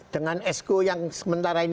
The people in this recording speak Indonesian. dengan esko yang sementara ini